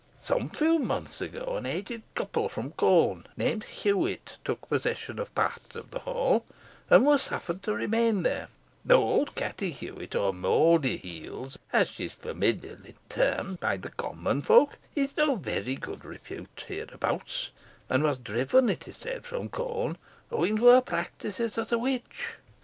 Some few months ago an aged couple from Colne, named Hewit, took possession of part of the hall, and were suffered to remain there, though old Katty Hewit, or Mould heels, as she is familiarly termed by the common folk, is in no very good repute hereabouts, and was driven, it is said from Colne, owing to her practices as a witch.